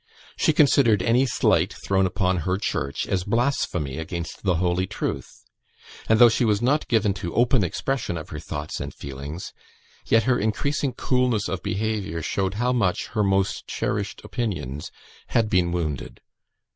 She considered any slight thrown upon her Church as blasphemy against the Holy Truth; and, though she was not given to open expression of her thoughts and feelings, yet her increasing coolness of behaviour showed how much her most cherished opinions had been wounded.